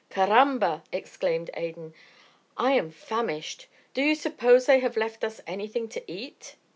"Caramba!" exclaimed Adan, "I am famished. Do you suppose they have left us anything to eat?"